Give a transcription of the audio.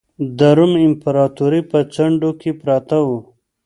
د روم امپراتورۍ په څنډو کې پراته وو.